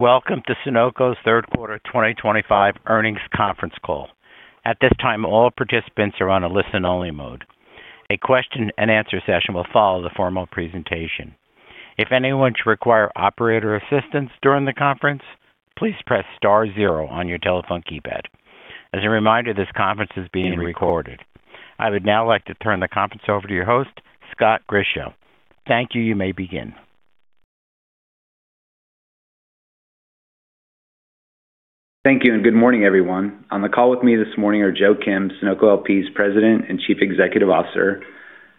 Welcome to Sunoco's third quarter 2025 earnings conference call. At this time, all participants are on a listen-only mode. A question-and-answer session will follow the formal presentation. If anyone should require operator assistance during the conference, please press star zero on your telephone keypad. As a reminder, this conference is being recorded. I would now like to turn the conference over to your host, Scott Grischow. Thank you. You may begin. Thank you, and good morning, everyone. On the call with me this morning are Joe Kim, Sunoco LP's President and Chief Executive Officer;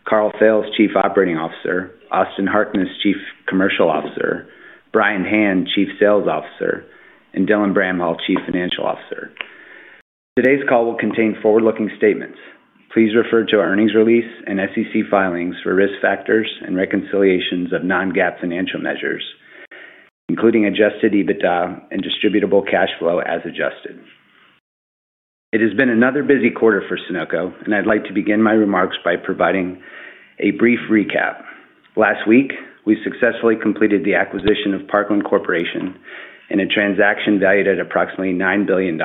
Karl Fails, Chief Operating Officer; Austin Harkness, Chief Commercial Officer; Brian Han, Chief Sales Officer; and Dylan Bramhall, Chief Financial Officer. Today's call will contain forward-looking statements. Please refer to our earnings release and SEC filings for risk factors and reconciliations of non-GAAP financial measures, including adjusted EBITDA and distributable cash flow as adjusted. It has been another busy quarter for Sunoco, and I'd like to begin my remarks by providing a brief recap. Last week, we successfully completed the acquisition of Parkland Corporation in a transaction valued at approximately $9 billion.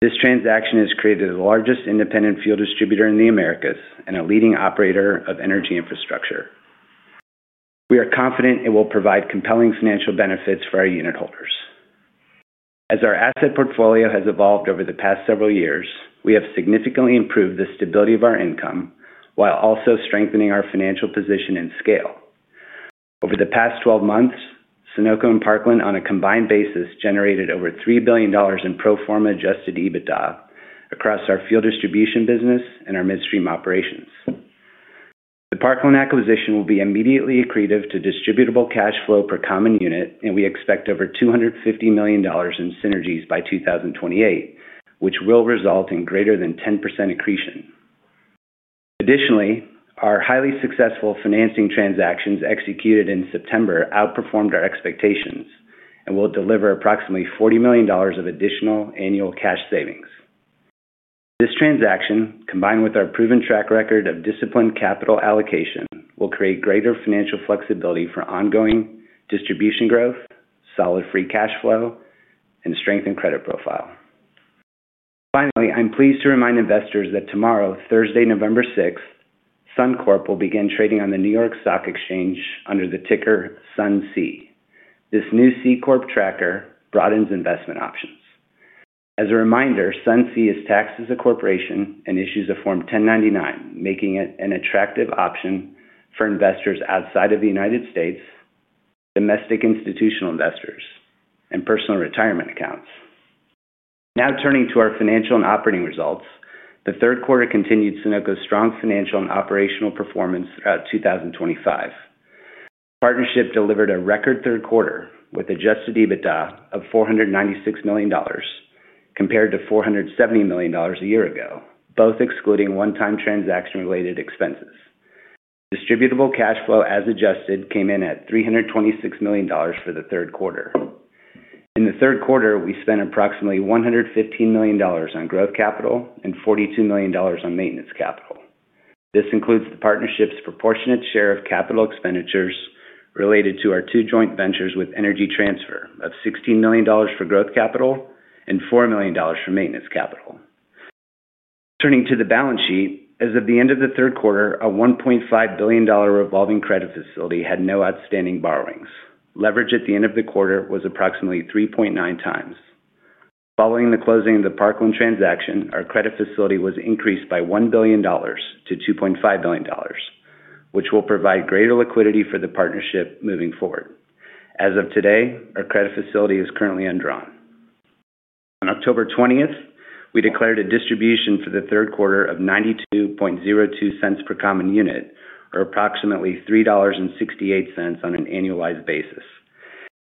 This transaction has created the largest independent fuel distributor in the Americas and a leading operator of energy infrastructure. We are confident it will provide compelling financial benefits for our unit holders. As our asset portfolio has evolved over the past several years, we have significantly improved the stability of our income while also strengthening our financial position and scale. Over the past 12 months, Sunoco and Parkland, on a combined basis, generated over $3 billion in pro forma adjusted EBITDA across our fuel distribution business and our midstream operations. The Parkland acquisition will be immediately accretive to distributable cash flow per common unit, and we expect over $250 million in synergies by 2028, which will result in greater than 10% accretion. Additionally, our highly successful financing transactions executed in September outperformed our expectations and will deliver approximately $40 million of additional annual cash savings. This transaction, combined with our proven track record of disciplined capital allocation, will create greater financial flexibility for ongoing distribution growth, solid free cash flow, and a strengthened credit profile. Finally, I'm pleased to remind investors that tomorrow, Thursday, November 6th, SunocoCorp will begin trading on the New York Stock Exchange under the ticker SUNC. This new C corp tracker broadens investment options. As a reminder, SUNC is taxed as a corporation and issues a Form 1099, making it an attractive option for investors outside of the United States, domestic institutional investors, and personal retirement accounts. Now turning to our financial and operating results, the third quarter continued Sunoco's strong financial and operational performance throughout 2025. The partnership delivered a record third quarter with adjusted EBITDA of $496 million. Compared to $470 million a year ago, both excluding one-time transaction-related expenses. Distributable cash flow, as adjusted, came in at $326 million for the third quarter. In the third quarter, we spent approximately $115 million on growth capital and $42 million on maintenance capital. This includes the partnership's proportionate share of capital expenditures related to our two joint ventures with Energy Transfer of $16 million for growth capital and $4 million for maintenance capital. Turning to the balance sheet, as of the end of the third quarter, a $1.5 billion revolving credit facility had no outstanding borrowings. Leverage at the end of the quarter was approximately 3.9 times. Following the closing of the Parkland transaction, our credit facility was increased by $1 billion to $2.5 billion, which will provide greater liquidity for the partnership moving forward. As of today, our credit facility is currently undrawn. On October 20th, we declared a distribution for the third quarter of $0.9202 per common unit, or approximately $3.68 on an annualized basis.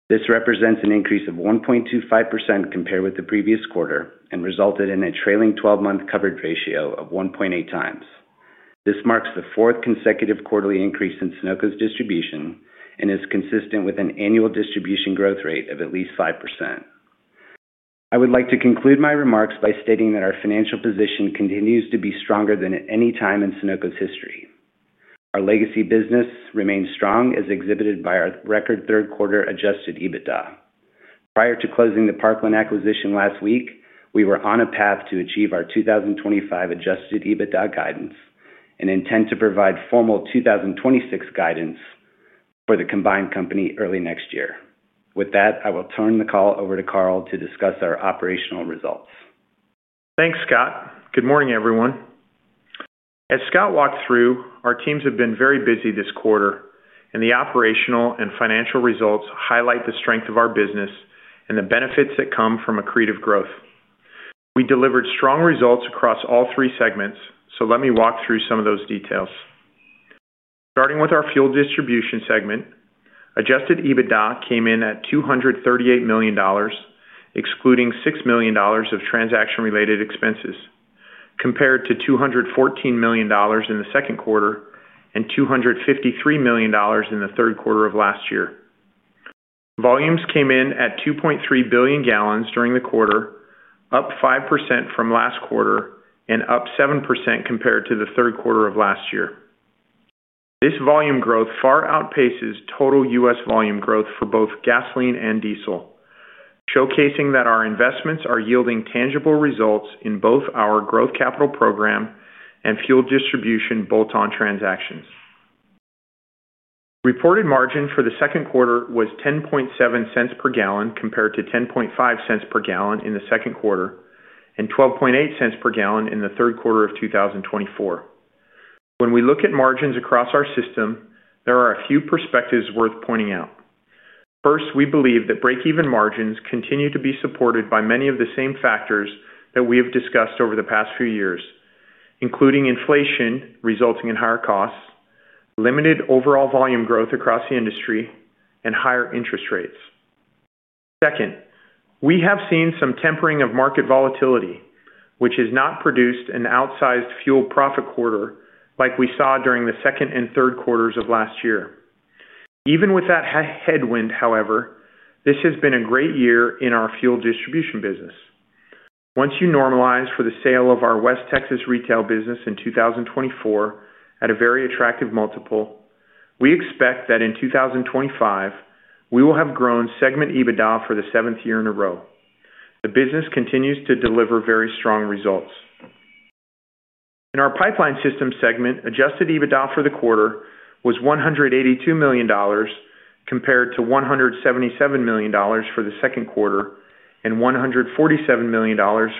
This represents an increase of 1.25% compared with the previous quarter and resulted in a trailing 12-month coverage ratio of 1.8 times. This marks the fourth consecutive quarterly increase in Sunoco's distribution and is consistent with an annual distribution growth rate of at least 5%. I would like to conclude my remarks by stating that our financial position continues to be stronger than at any time in Sunoco's history. Our legacy business remains strong, as exhibited by our record third quarter adjusted EBITDA. Prior to closing the Parkland acquisition last week, we were on a path to achieve our 2025 adjusted EBITDA guidance and intend to provide formal 2026 guidance for the combined company early next year. With that, I will turn the call over to Karl to discuss our operational results. Thanks, Scott. Good morning, everyone. As Scott walked through, our teams have been very busy this quarter, and the operational and financial results highlight the strength of our business and the benefits that come from accretive growth. We delivered strong results across all three segments, so let me walk through some of those details. Starting with our fuel distribution segment, adjusted EBITDA came in at $238 million. Excluding $6 million of transaction-related expenses, compared to $214 million in the second quarter and $253 million in the third quarter of last year. Volumes came in at 2.3 billion gal during the quarter, up 5% from last quarter and up 7% compared to the third quarter of last year. This volume growth far outpaces total U.S. volume growth for both gasoline and diesel, showcasing that our investments are yielding tangible results in both our growth capital program and fuel distribution bolt-on transactions. Reported margin for the second quarter was 10.7 cents per gal compared to 10.5 cents per gal in the second quarter and 12.8 cents per gal in the third quarter of 2024. When we look at margins across our system, there are a few perspectives worth pointing out. First, we believe that break-even margins continue to be supported by many of the same factors that we have discussed over the past few years, including inflation resulting in higher costs, limited overall volume growth across the industry, and higher interest rates. Second, we have seen some tempering of market volatility, which has not produced an outsized fuel profit quarter like we saw during the second and third quarters of last year. Even with that headwind, however, this has been a great year in our fuel distribution business. Once you normalize for the sale of our West Texas retail business in 2024 at a very attractive multiple, we expect that in 2025 we will have grown segment EBITDA for the seventh year in a row. The business continues to deliver very strong results. In our pipeline system segment, adjusted EBITDA for the quarter was $182 million. Compared to $177 million for the second quarter and $147 million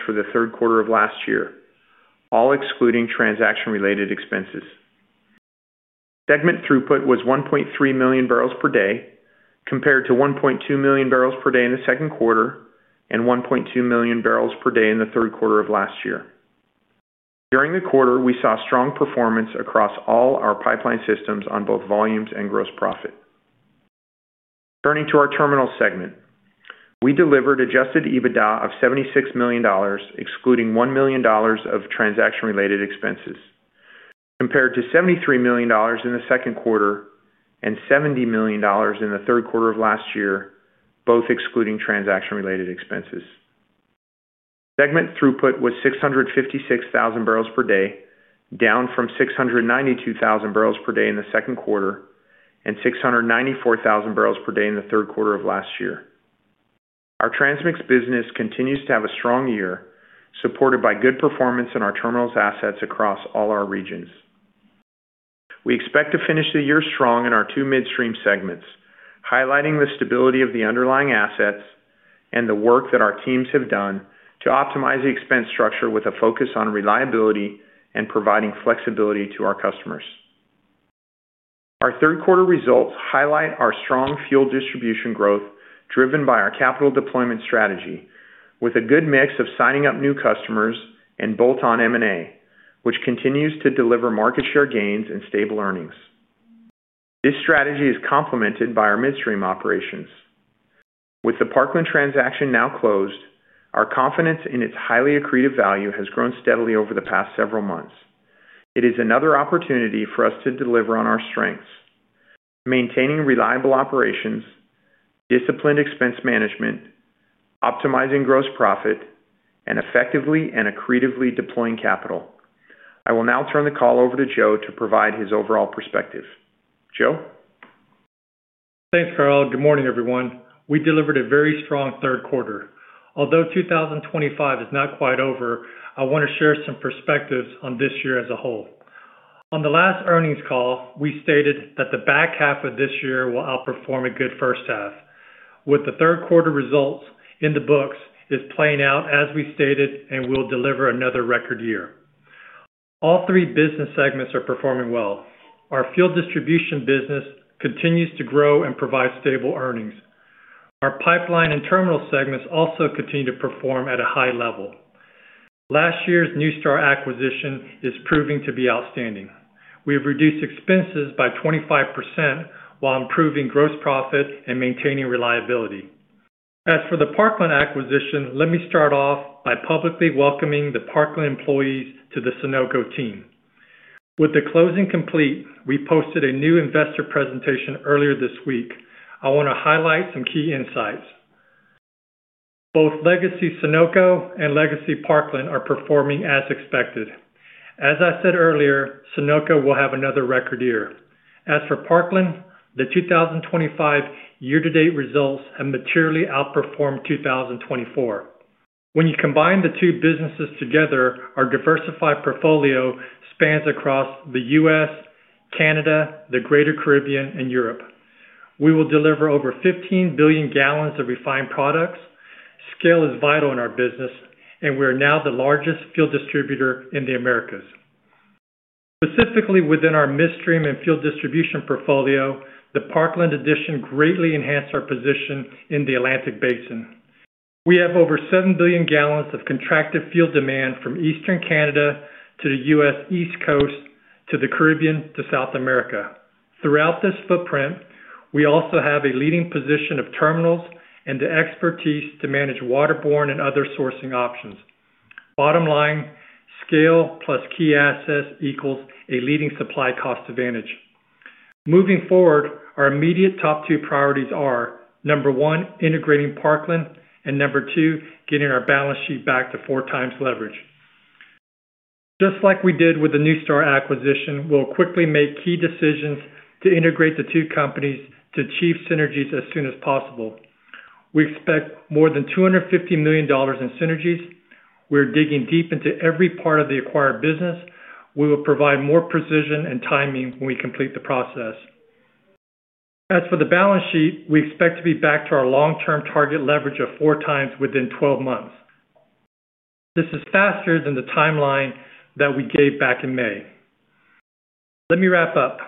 for the third quarter of last year, all excluding transaction-related expenses. Segment throughput was 1.3 million bbl per day compared to 1.2 million bbl per day in the second quarter and 1.2 million bbl per day in the third quarter of last year. During the quarter, we saw strong performance across all our pipeline systems on both volumes and gross profit. Turning to our terminal segment, we delivered adjusted EBITDA of $76 million, excluding $1 million of transaction-related expenses. Compared to $73 million in the second quarter and $70 million in the third quarter of last year, both excluding transaction-related expenses. Segment throughput was 656,000 bbl per day, down from 692,000 bbl per day in the second quarter and 694,000 bbl per day in the third quarter of last year. Our transmix business continues to have a strong year, supported by good performance in our terminals' assets across all our regions. We expect to finish the year strong in our two midstream segments, highlighting the stability of the underlying assets and the work that our teams have done to optimize the expense structure with a focus on reliability and providing flexibility to our customers. Our third quarter results highlight our strong fuel distribution growth driven by our capital deployment strategy, with a good mix of signing up new customers and bolt-on M&A, which continues to deliver market share gains and stable earnings. This strategy is complemented by our midstream operations. With the Parkland transaction now closed, our confidence in its highly accretive value has grown steadily over the past several months. It is another opportunity for us to deliver on our strengths. Maintaining reliable operations, disciplined expense management, optimizing gross profit, and effectively and accretively deploying capital. I will now turn the call over to Joe to provide his overall perspective. Joe. Thanks, Karl. Good morning, everyone. We delivered a very strong third quarter. Although 2025 is not quite over, I want to share some perspectives on this year as a whole. On the last earnings call, we stated that the back half of this year will outperform a good first half, with the third quarter results in the books playing out as we stated and will deliver another record year. All three business segments are performing well. Our fuel distribution business continues to grow and provide stable earnings. Our pipeline and terminal segments also continue to perform at a high level. Last year's NuStar acquisition is proving to be outstanding. We have reduced expenses by 25% while improving gross profit and maintaining reliability. As for the Parkland acquisition, let me start off by publicly welcoming the Parkland employees to the Sunoco team. With the closing complete, we posted a new investor presentation earlier this week. I want to highlight some key insights. Both Legacy Sunoco and Legacy Parkland are performing as expected. As I said earlier, Sunoco will have another record year. As for Parkland, the 2025 year-to-date results have materially outperformed 2024. When you combine the two businesses together, our diversified portfolio spans across the U.S., Canada, the Greater Caribbean, and Europe. We will deliver over 15 billion gal of refined products. Scale is vital in our business, and we are now the largest fuel distributor in the Americas. Specifically within our midstream and fuel distribution portfolio, the Parkland addition greatly enhanced our position in the Atlantic Basin. We have over 7 billion gallons of contracted fuel demand from Eastern Canada to the U.S. East Coast to the Caribbean to South America. Throughout this footprint, we also have a leading position of terminals and the expertise to manage waterborne and other sourcing options. Bottom line, scale plus key assets equals a leading supply cost advantage. Moving forward, our immediate top two priorities are number one, integrating Parkland, and number two, getting our balance sheet back to four times leverage. Just like we did with the NuStar acquisition, we'll quickly make key decisions to integrate the two companies to achieve synergies as soon as possible. We expect more than $250 million in synergies. We're digging deep into every part of the acquired business. We will provide more precision and timing when we complete the process. As for the balance sheet, we expect to be back to our long-term target leverage of four times within 12 months. This is faster than the timeline that we gave back in May. Let me wrap up.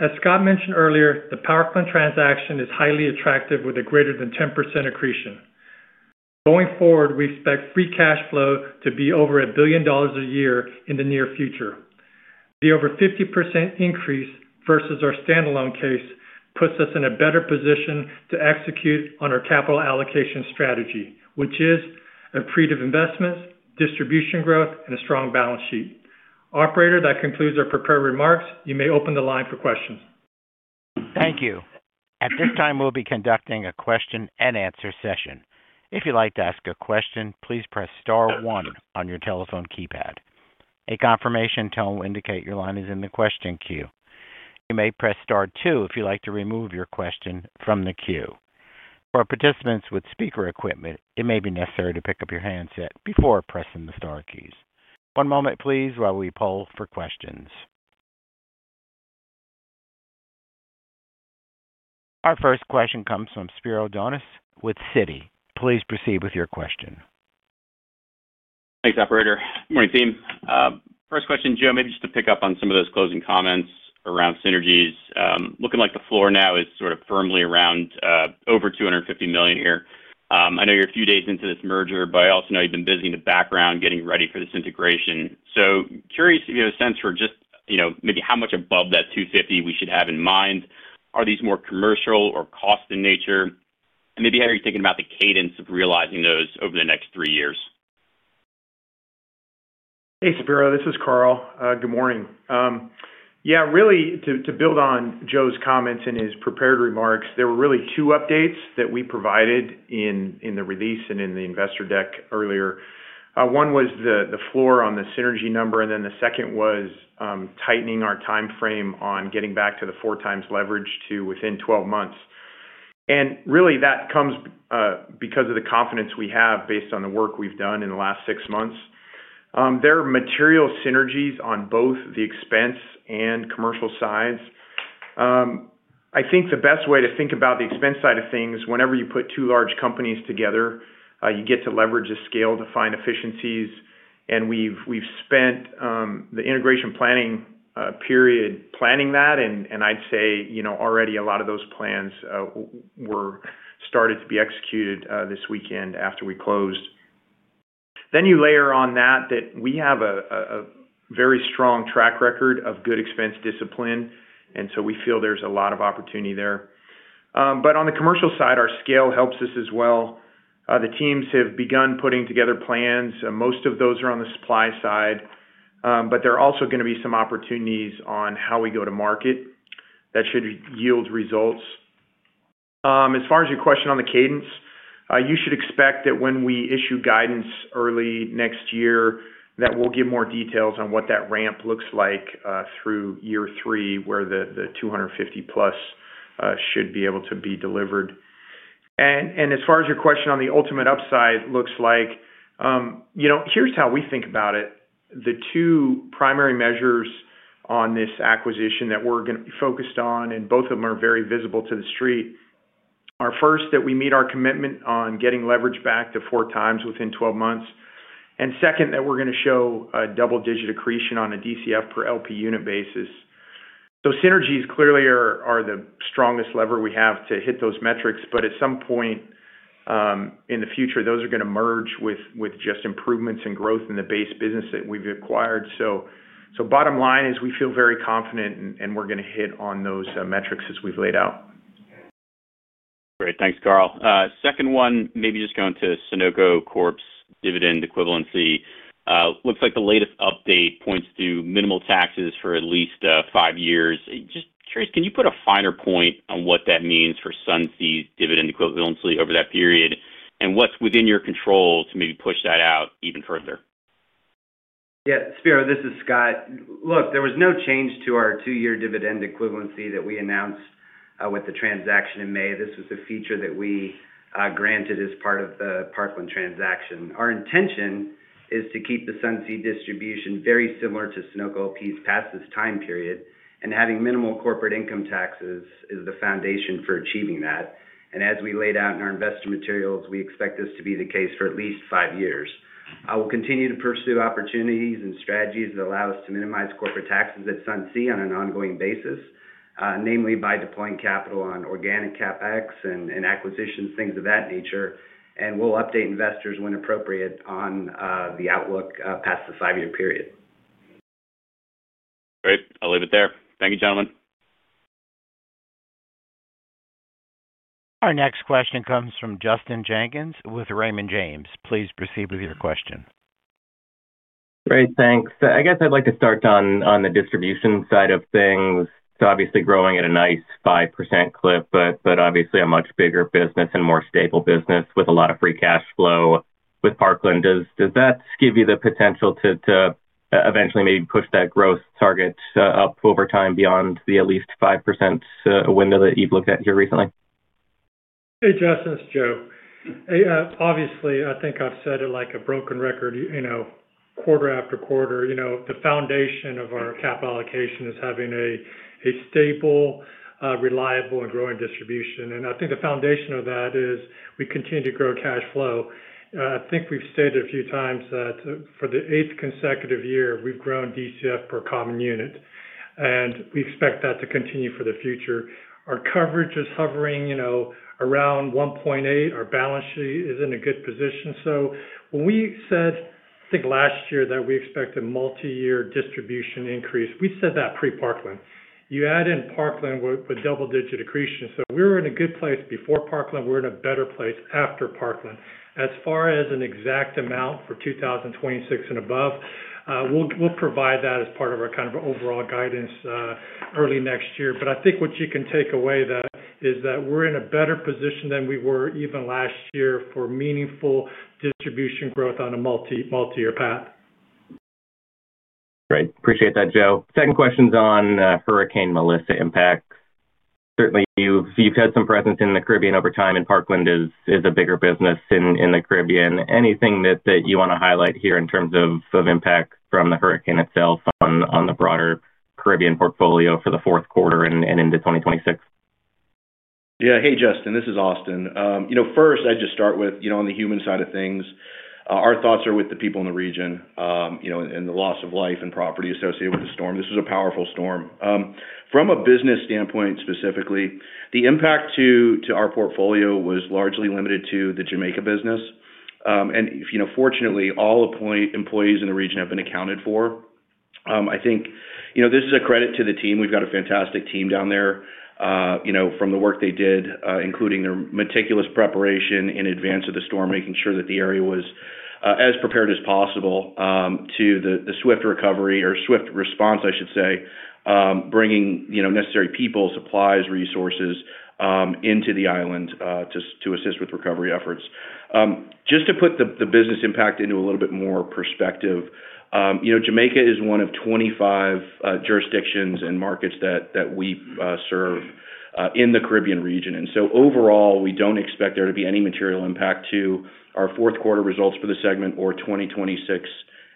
As Scott mentioned earlier, the Parkland transaction is highly attractive with a greater than 10% accretion. Going forward, we expect free cash flow to be over $1 billion a year in the near future. The over 50% increase versus our standalone case puts us in a better position to execute on our capital allocation strategy, which is accretive investments, distribution growth, and a strong balance sheet. Operator, that concludes our prepared remarks. You may open the line for questions. Thank you. At this time, we'll be conducting a question-and-answer session. If you'd like to ask a question, please press star one on your telephone keypad. A confirmation tone will indicate your line is in the question queue. You may press star two if you'd like to remove your question from the queue. For participants with speaker equipment, it may be necessary to pick up your handset before pressing the Star keys. One moment, please, while we poll for questions. Our first question comes from Spiro Dounis with Citi. Please proceed with your question. Thanks, Operator. Good morning, team. First question, Joe, maybe just to pick up on some of those closing comments around synergies. Looking like the floor now is sort of firmly around over $250 million here. I know you're a few days into this merger, but I also know you've been busy in the background getting ready for this integration. Curious if you have a sense for just maybe how much above that $250 million we should have in mind. Are these more commercial or cost in nature? Maybe how are you thinking about the cadence of realizing those over the next three years? Hey, Spiro, this is Karl. Good morning. Yeah, really, to build on Joe's comments and his prepared remarks, there were really two updates that we provided in the release and in the investor deck earlier. One was the floor on the synergy number, and then the second was tightening our timeframe on getting back to the four times leverage to within 12 months. That comes because of the confidence we have based on the work we've done in the last six months. There are material synergies on both the expense and commercial sides. I think the best way to think about the expense side of things, whenever you put two large companies together, you get to leverage a scale to find efficiencies. We've spent the integration planning period planning that, and I'd say already a lot of those plans. Were started to be executed this weekend after we closed. You layer on that we have a very strong track record of good expense discipline, and we feel there's a lot of opportunity there. On the commercial side, our scale helps us as well. The teams have begun putting together plans. Most of those are on the supply side. There are also going to be some opportunities on how we go to market that should yield results. As far as your question on the cadence, you should expect that when we issue guidance early next year, we'll give more details on what that ramp looks like through year three, where the 250-plus should be able to be delivered. As far as your question on what the ultimate upside looks like, here's how we think about it. The two primary measures on this acquisition that we're going to be focused on, and both of them are very visible to the street, are first that we meet our commitment on getting leverage back to 4.0 times within 12 months, and second that we're going to show a double-digit accretion on a DCF per LP unit basis. Synergies clearly are the strongest lever we have to hit those metrics, but at some point in the future, those are going to merge with just improvements and growth in the base business that we've acquired. Bottom line is we feel very confident, and we're going to hit on those metrics as we've laid out. Great. Thanks, Karl. Second one, maybe just going to SunocoCorp's dividend equivalency. Looks like the latest update points to minimal taxes for at least five years. Just curious, can you put a finer point on what that means for Sun's dividend equivalency over that period, and what's within your control to maybe push that out even further? Yeah, Spiro, this is Scott. Look, there was no change to our two-year dividend equivalency that we announced with the transaction in May. This was a feature that we granted as part of the Parkland transaction. Our intention is to keep the Sunoco distribution very similar to Sunoco LP's past this time period, and having minimal corporate income taxes is the foundation for achieving that. As we laid out in our investor materials, we expect this to be the case for at least five years. I will continue to pursue opportunities and strategies that allow us to minimize corporate taxes at Sunoco on an ongoing basis, namely by deploying capital on organic CapEx and acquisitions, things of that nature, and we will update investors when appropriate on the outlook past the five-year period. Great. I'll leave it there. Thank you, gentlemen. Our next question comes from Justin Jenkins with Raymond James. Please proceed with your question. Great. Thanks. I guess I'd like to start on the distribution side of things. Obviously growing at a nice 5% clip, but obviously a much bigger business and more stable business with a lot of free cash flow with Parkland. Does that give you the potential to eventually maybe push that growth target up over time beyond the at least 5% window that you've looked at here recently? Hey, Justin, it's Joe. Obviously, I think I've said it like a broken record. Quarter after quarter, the foundation of our cap allocation is having a stable, reliable, and growing distribution. I think the foundation of that is we continue to grow cash flow. I think we've stated a few times that for the eighth consecutive year, we've grown DCF per common unit. We expect that to continue for the future. Our coverage is hovering around 1.8. Our balance sheet is in a good position. When we said, I think last year, that we expected a multi-year distribution increase, we said that pre-Parkland. You add in Parkland with double-digit accretion. We were in a good place before Parkland. We're in a better place after Parkland. As far as an exact amount for 2026 and above, we will provide that as part of our kind of overall guidance early next year. I think what you can take away is that we are in a better position than we were even last year for meaningful distribution growth on a multi-year path. Great. Appreciate that, Joe. Second question's on Hurricane Melissa impacts. Certainly, you've had some presence in the Caribbean over time, and Parkland is a bigger business in the Caribbean. Anything that you want to highlight here in terms of impact from the hurricane itself on the broader Caribbean portfolio for the fourth quarter and into 2026? Yeah. Hey, Justin, this is Austin. First, I'd just start with on the human side of things, our thoughts are with the people in the region. The loss of life and property associated with the storm, this was a powerful storm. From a business standpoint specifically, the impact to our portfolio was largely limited to the Jamaica business. Fortunately, all employees in the region have been accounted for. I think this is a credit to the team. We've got a fantastic team down there. From the work they did, including their meticulous preparation in advance of the storm, making sure that the area was as prepared as possible to the swift recovery or swift response, I should say, bringing necessary people, supplies, resources into the island to assist with recovery efforts. Just to put the business impact into a little bit more perspective, Jamaica is one of 25 jurisdictions and markets that we serve in the Caribbean region. Overall, we do not expect there to be any material impact to our fourth quarter results for the segment or 2026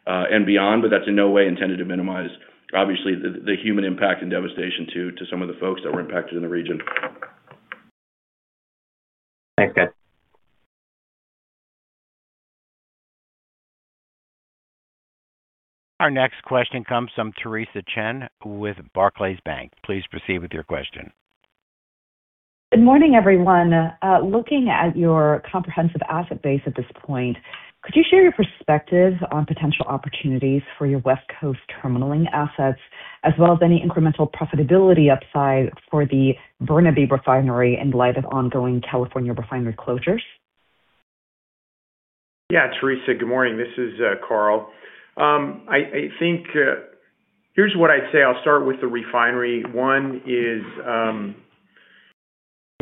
and beyond. That is in no way intended to minimize, obviously, the human impact and devastation to some of the folks that were impacted in the region. Thanks, guys. Our next question comes from Theresa Chen with Barclays Bank. Please proceed with your question. Good morning, everyone. Looking at your comprehensive asset base at this point, could you share your perspective on potential opportunities for your West Coast terminaling assets, as well as any incremental profitability upside for the Burnaby refinery in light of ongoing California refinery closures? Yeah, Teresa, good morning. This is Karl. I think here's what I'd say. I'll start with the refinery. One is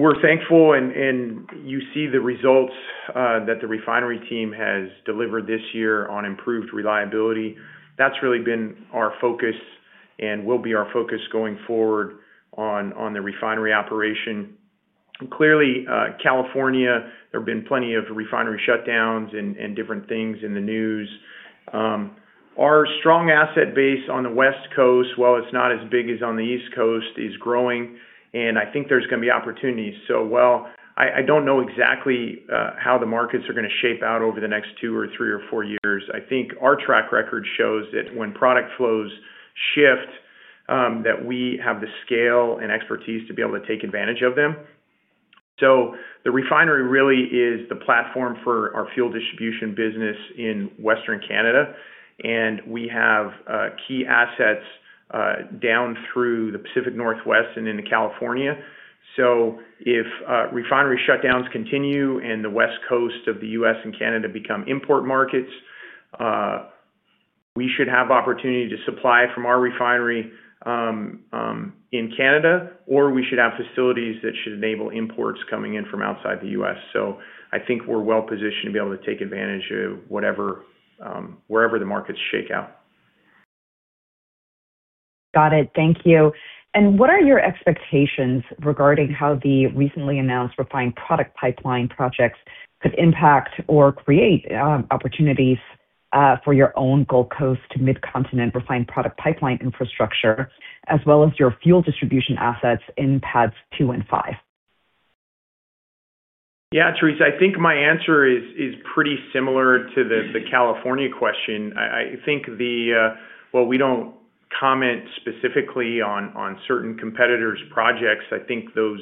we're thankful, and you see the results that the refinery team has delivered this year on improved reliability. That's really been our focus and will be our focus going forward on the refinery operation. Clearly, California, there have been plenty of refinery shutdowns and different things in the news. Our strong asset base on the West Coast, while it's not as big as on the East Coast, is growing. I think there's going to be opportunities. While I don't know exactly how the markets are going to shape out over the next two or three or four years, I think our track record shows that when product flows shift, we have the scale and expertise to be able to take advantage of them. The refinery really is the platform for our fuel distribution business in Western Canada. We have key assets down through the Pacific Northwest and into California. If refinery shutdowns continue and the West Coast of the U.S. and Canada become import markets, we should have opportunity to supply from our refinery in Canada, or we should have facilities that should enable imports coming in from outside the U.S. I think we're well positioned to be able to take advantage of wherever the markets shake out. Got it. Thank you. What are your expectations regarding how the recently announced refined product pipeline projects could impact or create opportunities for your own Gulf Coast to Mid-Continent refined product pipeline infrastructure, as well as your fuel distribution assets in pads two and five? Yeah, Teresa, I think my answer is pretty similar to the California question. I think, we do not comment specifically on certain competitors' projects. I think those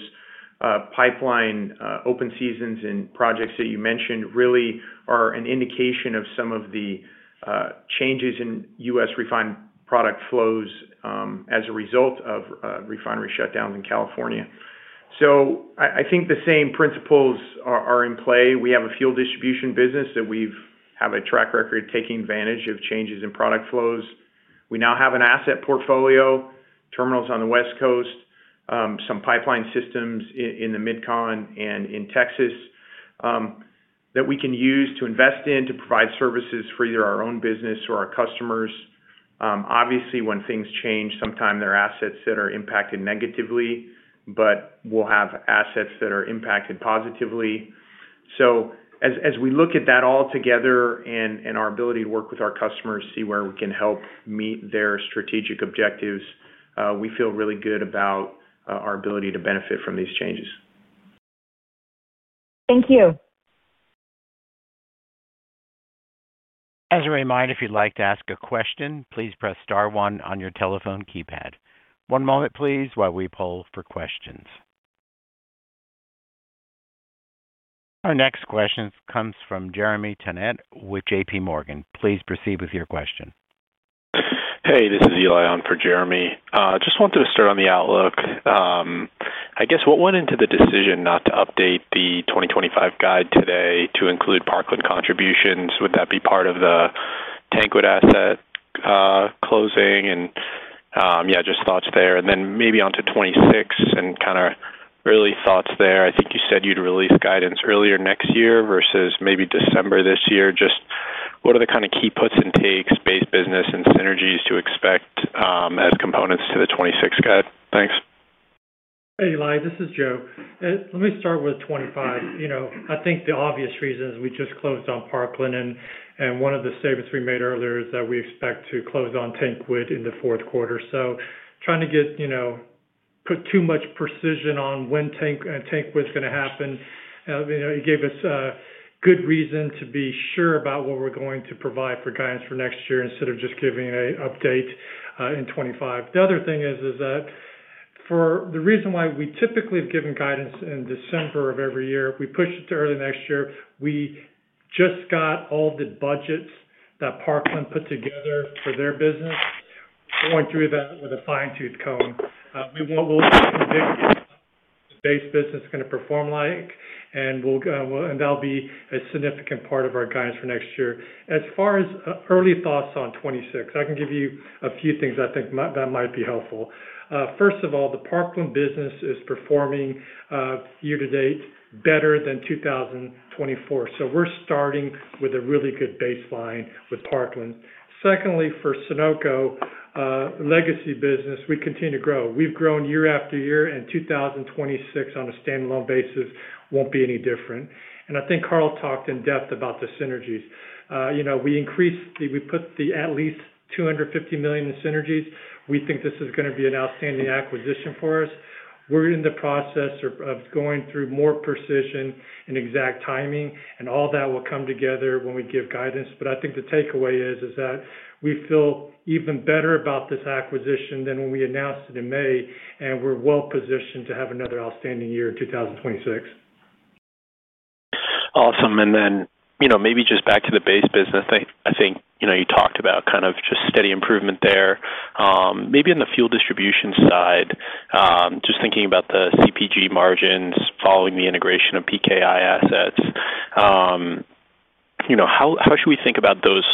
pipeline open seasons and projects that you mentioned really are an indication of some of the changes in U.S. refined product flows as a result of refinery shutdowns in California. I think the same principles are in play. We have a fuel distribution business that we have a track record taking advantage of changes in product flows. We now have an asset portfolio, terminals on the West Coast, some pipeline systems in the Mid-Continent and in Texas, that we can use to invest in to provide services for either our own business or our customers. Obviously, when things change, sometimes there are assets that are impacted negatively, but we will have assets that are impacted positively. As we look at that all together and our ability to work with our customers, see where we can help meet their strategic objectives, we feel really good about our ability to benefit from these changes. Thank you. As a reminder, if you'd like to ask a question, please press star one on your telephone keypad. One moment, please, while we poll for questions. Our next question comes from Jeremy Tennant with JPMorgan. Please proceed with your question. Hey, this is Eli on for Jeremy. Just wanted to start on the outlook. I guess what went into the decision not to update the 2025 guide today to include Parkland contributions? Would that be part of the TanQuid asset closing? Yeah, just thoughts there. Maybe onto 2026 and kind of early thoughts there. I think you said you'd release guidance earlier next year versus maybe December this year. Just what are the kind of key puts and takes, base business and synergies to expect as components to the 2026 guide? Thanks. Hey, Eli, this is Joe. Let me start with 2025. I think the obvious reason is we just closed on Parkland. One of the statements we made earlier is that we expect to close on TanQuid in the fourth quarter. Trying to put too much precision on when TanQuid is going to happen gave us good reason to be sure about what we're going to provide for guidance for next year instead of just giving an update in 2025. The other thing is that for the reason why we typically have given guidance in December of every year, we pushed it to early next year. We just got all the budgets that Parkland put together for their business. We're going through that with a fine-toothed comb. We'll look at what the base business is going to perform like, and that'll be a significant part of our guidance for next year. As far as early thoughts on 2026, I can give you a few things I think that might be helpful. First of all, the Parkland business is performing year to date better than 2024. So we're starting with a really good baseline with Parkland. Secondly, for Sunoco legacy business, we continue to grow. We've grown year after year, and 2026 on a standalone basis won't be any different. I think Karl talked in depth about the synergies. We increased, we put at least $250 million in synergies. We think this is going to be an outstanding acquisition for us. We're in the process of going through more precision and exact timing, and all that will come together when we give guidance. I think the takeaway is that we feel even better about this acquisition than when we announced it in May, and we're well positioned to have another outstanding year in 2026. Awesome. Maybe just back to the base business, I think you talked about kind of just steady improvement there. Maybe on the fuel distribution side, just thinking about the CPG margins following the integration of PKI assets. How should we think about those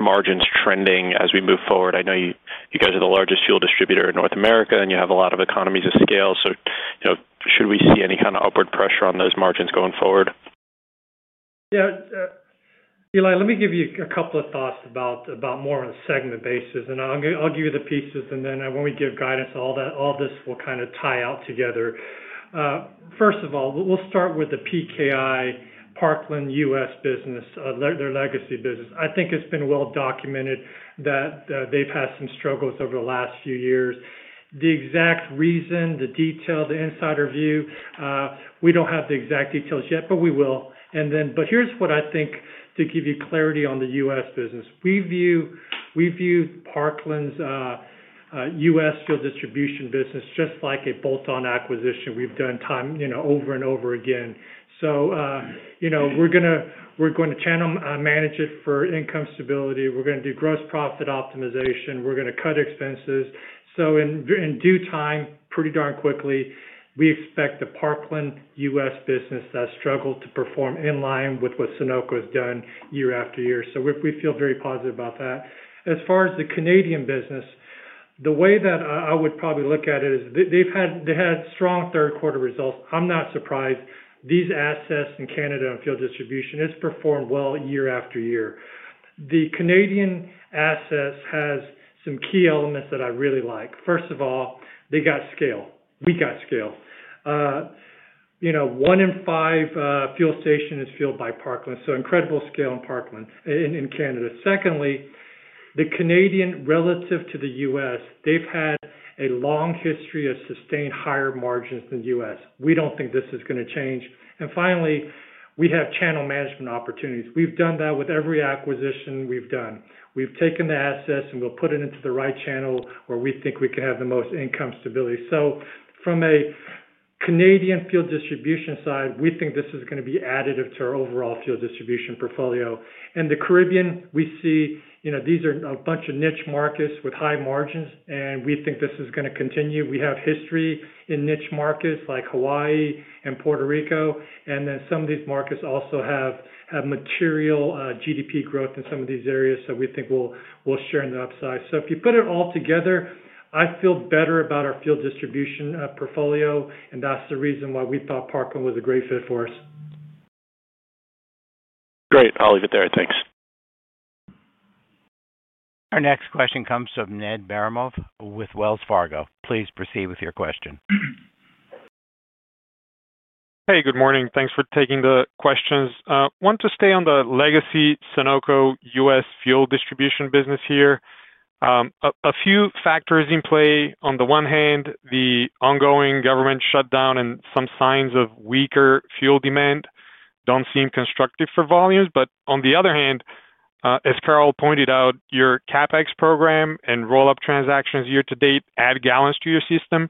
margins trending as we move forward? I know you guys are the largest fuel distributor in North America, and you have a lot of economies of scale. Should we see any kind of upward pressure on those margins going forward? Yeah. Eli, let me give you a couple of thoughts about more on a segment basis. I'll give you the pieces, and then when we give guidance, all this will kind of tie out together. First of all, we'll start with the Parkland U.S. business, their legacy business. I think it's been well documented that they've had some struggles over the last few years. The exact reason, the detail, the insider view. We don't have the exact details yet, but we will. Here's what I think to give you clarity on the U.S. business. We view Parkland's U.S. fuel distribution business just like a bolt-on acquisition we've done over and over again. We're going to channel manage it for income stability. We're going to do gross profit optimization. We're going to cut expenses. In due time, pretty darn quickly, we expect the Parkland U.S. business to struggle to perform in line with what Sunoco has done year after year. We feel very positive about that. As far as the Canadian business, the way that I would probably look at it is they've had strong third-quarter results. I'm not surprised. These assets in Canada and fuel distribution have performed well year after year. The Canadian assets have some key elements that I really like. First of all, they got scale. We got scale. One in five fuel stations is fueled by Parkland. Incredible scale in Canada. Secondly, the Canadian relative to the U.S., they've had a long history of sustained higher margins than the U.S. We don't think this is going to change. Finally, we have channel management opportunities. We've done that with every acquisition we've done. We've taken the assets and we'll put it into the right channel where we think we can have the most income stability. From a Canadian fuel distribution side, we think this is going to be additive to our overall fuel distribution portfolio. In the Caribbean, we see these are a bunch of niche markets with high margins, and we think this is going to continue. We have history in niche markets like Hawaii and Puerto Rico. Some of these markets also have material GDP growth in some of these areas, so we think we'll share in the upside. If you put it all together, I feel better about our fuel distribution portfolio, and that's the reason why we thought Parkland was a great fit for us. Great. I'll leave it there. Thanks. Our next question comes from Ned Baramov with Wells Fargo. Please proceed with your question. Hey, good morning. Thanks for taking the questions. I want to stay on the legacy Sunoco US fuel distribution business here. A few factors in play. On the one hand, the ongoing government shutdown and some signs of weaker fuel demand do not seem constructive for volumes. On the other hand, as Karl pointed out, your CapEx program and roll-up transactions year to date add gallons to your system.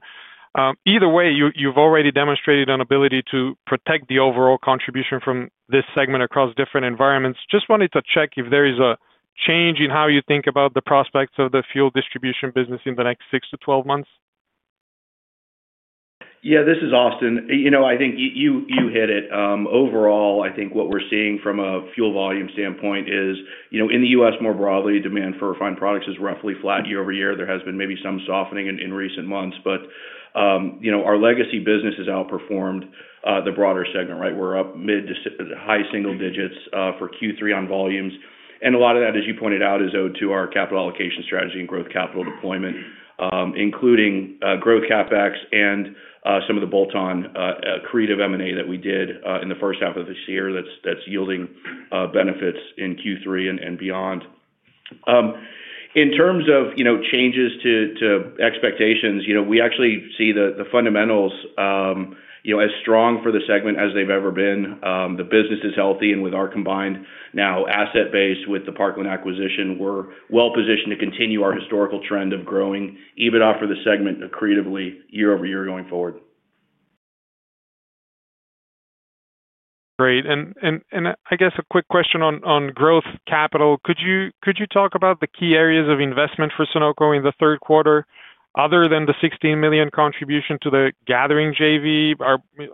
Either way, you have already demonstrated an ability to protect the overall contribution from this segment across different environments. Just wanted to check if there is a change in how you think about the prospects of the fuel distribution business in the next 6 to 12 months. Yeah, this is Austin. I think you hit it. Overall, I think what we're seeing from a fuel volume standpoint is in the U.S. more broadly, demand for refined products is roughly flat year over year. There has been maybe some softening in recent months, but our legacy business has outperformed the broader segment, right? We're up mid to high single digits for Q3 on volumes. A lot of that, as you pointed out, is owed to our capital allocation strategy and growth capital deployment, including growth CapEx and some of the bolt-on creative M&A that we did in the first half of this year that's yielding benefits in Q3 and beyond. In terms of changes to expectations, we actually see the fundamentals as strong for the segment as they've ever been. The business is healthy, and with our combined now asset base with the Parkland acquisition, we're well positioned to continue our historical trend of growing EBITDA for the segment creatively year over year going forward. Great. I guess a quick question on growth capital. Could you talk about the key areas of investment for Sunoco in the third quarter other than the $16 million contribution to the gathering JV?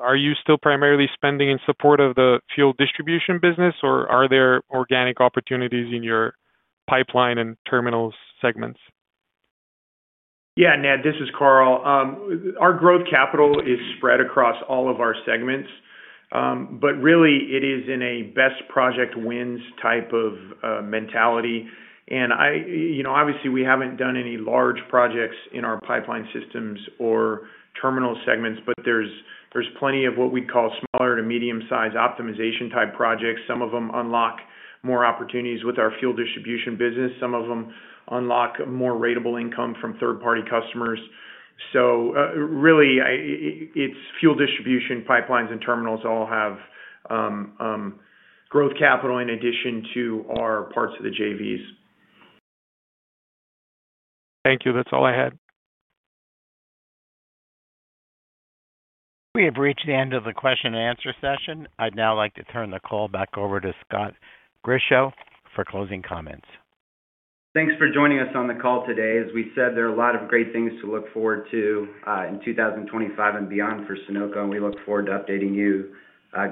Are you still primarily spending in support of the fuel distribution business, or are there organic opportunities in your pipeline and terminals segments? Yeah, Ned, this is Karl. Our growth capital is spread across all of our segments, but really it is in a best project wins type of mentality. Obviously, we have not done any large projects in our pipeline systems or terminal segments, but there is plenty of what we would call smaller to medium-sized optimization type projects. Some of them unlock more opportunities with our fuel distribution business. Some of them unlock more ratable income from third-party customers. Really, it is fuel distribution, pipelines, and terminals all have growth capital in addition to our parts of the JVs. Thank you. That's all I had. We have reached the end of the question and answer session. I'd now like to turn the call back over to Scott Grischow for closing comments. Thanks for joining us on the call today. As we said, there are a lot of great things to look forward to in 2025 and beyond for Sunoco, and we look forward to updating you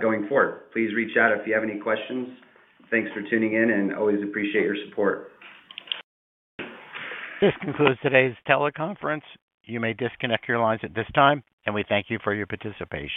going forward. Please reach out if you have any questions. Thanks for tuning in, and always appreciate your support. This concludes today's teleconference. You may disconnect your lines at this time, and we thank you for your participation.